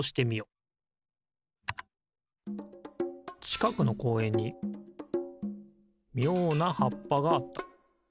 ちかくのこうえんにみょうなはっぱがあった。